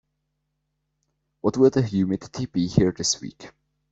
What will the humidity be here this week?